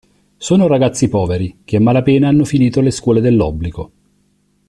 Sono ragazzi poveri, che a malapena hanno finito le scuole dell’obbligo.